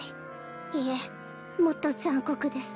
いえもっと残酷です。